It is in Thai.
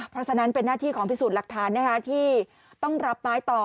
เพราะฉะนั้นเป็นหน้าที่ของพิสูจน์หลักฐานที่ต้องรับไม้ต่อ